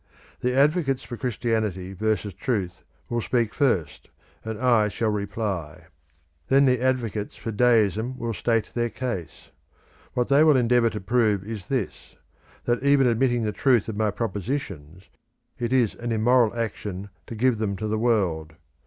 The advocates for Christianity versus Truth will speak first, and I shall reply; and then the advocates for Deism will state their case. What they will endeavour to prove is this, that even admitting the truth of my propositions, it is an immoral action to give them to the world.